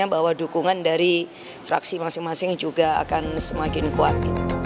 bahwa dukungan dari fraksi masing masing juga akan semakin kuat